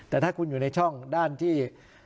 แต่ถ้าคุณอยู่ในช่องด้านที่